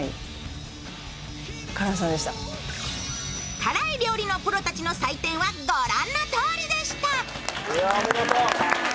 辛い料理のプロたちの採点は御覧のとおりでした。